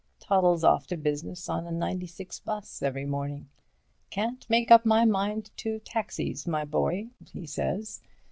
Toddles off to business on a 96 'bus every morning. 'Can't make up my mind to taxis, my boy,' he says.